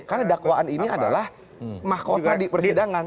karena dakwaan ini adalah mahkota di persidangan